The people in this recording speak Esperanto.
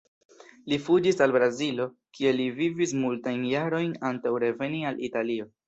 Li fuĝis al Brazilo kie li vivis multajn jarojn antaŭ reveni al Italio.